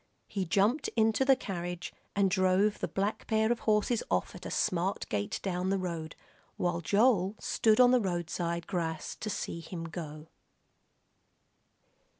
He jumped into the carriage and drove the black pair of horses off at a smart gait down the road, while Joel stood on the roadside grass to see him go.